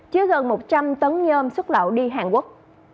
chứa gần một trăm linh tấn nhôm xuất lậu đi hàn quốc